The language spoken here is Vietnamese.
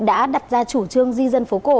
đã đặt ra chủ trương di dân phố cổ